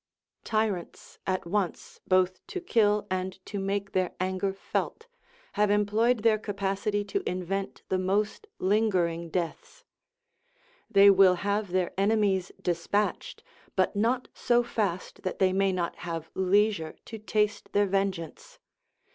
Tyrants, at once both to kill and to make their anger felt, have employed their capacity to invent the most lingering deaths. They will have their enemies despatched, but not so fast that they may not have leisure to taste their vengeance.